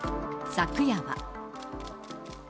昨夜は。